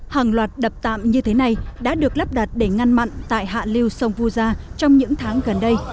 hàng loạt đập tạm như thế này đã được lắp đặt để ngăn mặn tại hạ lưu sông vu gia trong những tháng gần đây